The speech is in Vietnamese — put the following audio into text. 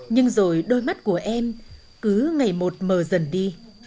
nhưng rồi đôi mắt của em cứ ngày một mờ dần đi